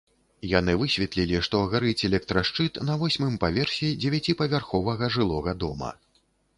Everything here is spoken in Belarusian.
Яны высветлілі, што гарыць электрашчыт на восьмым паверсе дзевяціпавярховага жылога дома.